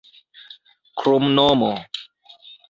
kromnomo